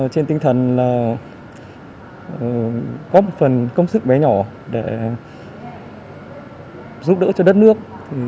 còn là có một phần công sức bé nhỏ để giúp đỡ cho đất nước